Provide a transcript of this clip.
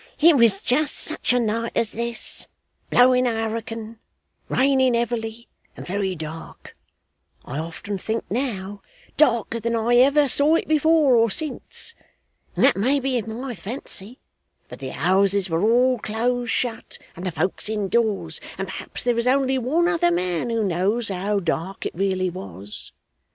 'It was just such a night as this; blowing a hurricane, raining heavily, and very dark I often think now, darker than I ever saw it before or since; that may be my fancy, but the houses were all close shut and the folks in doors, and perhaps there is only one other man who knows how dark it really was.